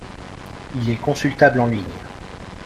Il est consultable en ligne.